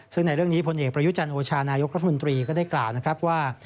ซึ่งในเรื่องนี้พลเอกประยุจันทร์โอชานายกรัฐมนตรีก็ได้กล่าวนะครับว่า